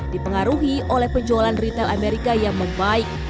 dipengaruhi oleh penjualan retail amerika yang membaik